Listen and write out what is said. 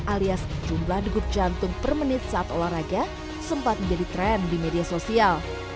alias jumlah degup jantung per menit saat olahraga sempat menjadi tren di media sosial